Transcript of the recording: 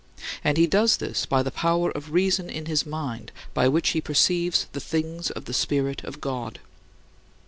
And he does this by the power of reason in his mind by which he perceives "the things of the Spirit of God."